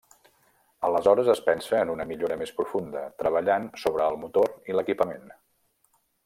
Aleshores es pensa en una millora més profunda, treballant sobre el motor i l'equipament.